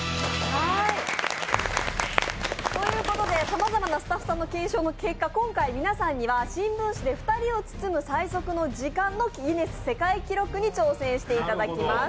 さまざまなスタッフさんの検証の結果、今回皆さんには新聞紙で２人を包む最速の時間のギネス世界記録に挑戦していただきます。